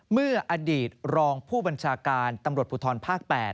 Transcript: เมื่ออดีตรองผู้บัญชาการตำรวจภูทรภาค๘